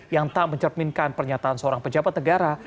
yang tak mencerminkan pernyataan seorang pejabat negara